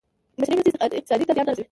بشري مرستې اقتصاد ته زیان نه رسوي.